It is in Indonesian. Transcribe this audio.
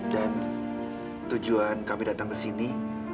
dan tujuan kami datang ke sini